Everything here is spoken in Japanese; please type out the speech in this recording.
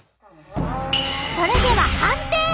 それでは判定！